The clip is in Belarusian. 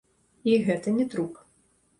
І гэта не трук.